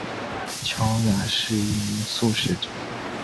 乔雅是一名素食者。